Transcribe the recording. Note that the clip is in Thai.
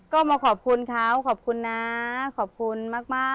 ก็มาขอบคุณเขาขอบคุณนะขอบคุณมาก